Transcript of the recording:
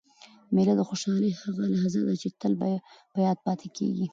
مېله د خوشحالۍ هغه لحظه ده، چي تل په یاد پاته کېږي.